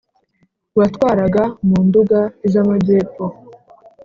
watwaraga mu Nduga z’amajyepfo